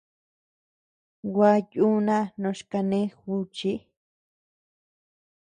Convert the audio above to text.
Gua yuuna noch kanee juchi.